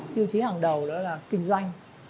tiêu chí hàng đầu đó là kinh doanh